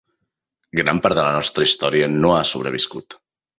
Gran part de la nostra història no ha sobreviscut.